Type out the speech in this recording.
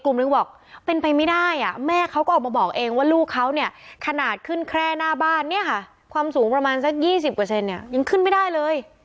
นึงบอกเป็นไปไม่ได้แม่เขาก็ออกมาบอกเองว่าลูกเขาเนี่ยขนาดขึ้นแคร่หน้าบ้านเนี่ยค่ะความสูงประมาณสัก๒๐เนี่ยยังขึ้นไม่ได้เลย